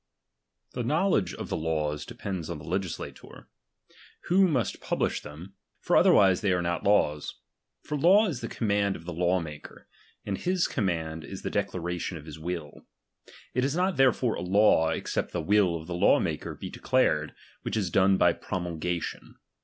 The kttowlcdge of the laws depends on the . legislator; who must publish them ; for otherwise "" they are not laws. For law is the command of the law maker, and his command is the declaration of his will ; it is not therefore a law, except the will of the law maker be declared, which is done by promulgation.